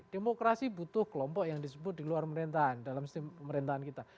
demokrasi butuh kelompok yang disebut di luar pemerintahan dalam sistem pemerintahan kita